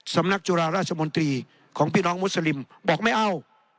สำนักจุฬาราชมนตรีของพี่น้องมุสลิมบอกไม่เอา